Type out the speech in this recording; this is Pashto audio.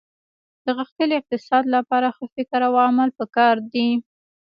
د غښتلي اقتصاد لپاره ښه فکر او عمل په کار دي